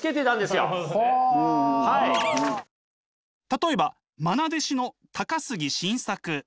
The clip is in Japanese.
例えばまな弟子の高杉晋作！